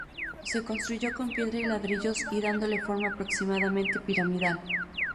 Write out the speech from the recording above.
Se construyó con piedra y ladrillos y dándole forma aproximadamente piramidal.